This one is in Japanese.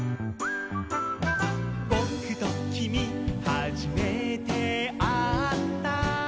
「ぼくときみはじめてあった」